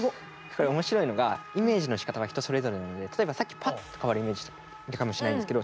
これ面白いのがイメージのしかたは人それぞれなので例えばさっきパッと変わるイメージだったかもしれないんですけど。